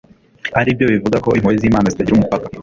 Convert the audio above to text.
aribyo bivuga ko impuhwe z'imana zitagira umupaka